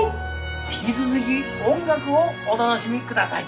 引き続き音楽をお楽しみください。